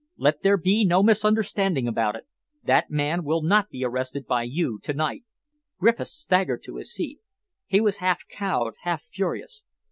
Let there be no misunderstanding about it. That man will not be arrested by you to night." Griffiths staggered to his feet. He was half cowed, half furious.